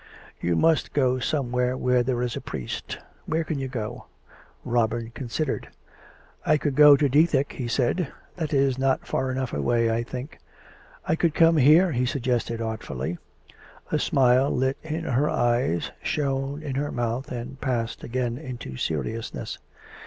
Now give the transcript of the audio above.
... You must go somewhere where there is a priest. ... Where can you go .''" Robin considered. " I could go to Dethick," he said. " That is not far enough away, I think." " I could come here," he suggested artfully. A smile lit in her eyes, shone in her mouth, and passed again into seriousness.